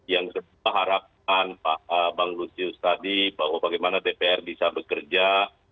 yang kedua harapan pak bang lusius tadi bahwa bagaimana dpr bisa bekerja